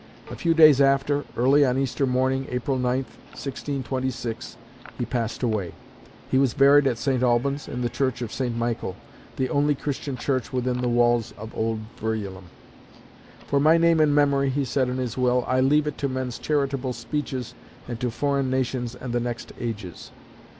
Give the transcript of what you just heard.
A few days after, early on Easter morning, April 9, 1626, he passed away. He was buried at St. Albans, in the Church of St. Michael, "the only Christian church within the walls of old Verulam." "For my name and memory," he said in his will, "I leave it to men's charitable speeches, and to foreign nations and the next ages."